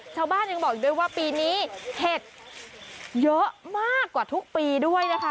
ชาวบ้านยังบอกอีกด้วยว่าปีนี้เห็ดเยอะมากกว่าทุกปีด้วยนะคะ